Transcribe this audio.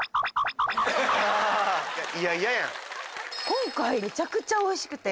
今回めちゃくちゃおいしくて。